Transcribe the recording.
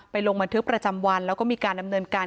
ลงบันทึกประจำวันแล้วก็มีการดำเนินการ